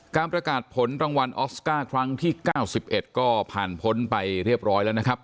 การประกาศผลรางวัลออสการ์ครั้งที่๙๑ก็ผ่านพ้นไปเรียบร้อยแล้วนะครับ